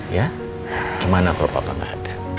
ya gimana kalau papa gak ada